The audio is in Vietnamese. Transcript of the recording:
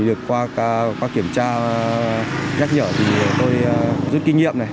được qua kiểm tra nhắc nhở thì tôi rút kinh nghiệm